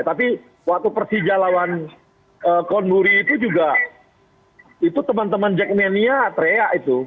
tapi waktu persija lawan konduri itu juga itu teman teman jackmania teriak itu